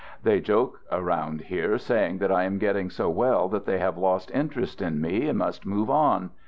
They joke around here, saying that I am getting so well that they have lost interest in me and must move on.